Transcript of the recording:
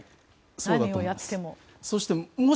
何をやっても。